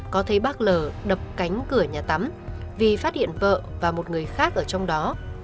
có thấy bác lờ đập cánh cửa nhà tắm vì phát hiện vợ và một người khác ở trong đó